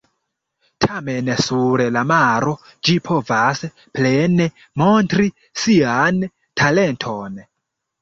Tamen sur la maro ĝi povas plene montri sian talenton.